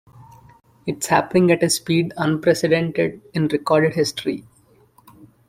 It's happening at a speed unprecedented in recorded history.